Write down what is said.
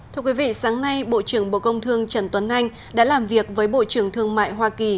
thưa quý vị sáng nay bộ trưởng bộ công thương trần tuấn anh đã làm việc với bộ trưởng thương mại hoa kỳ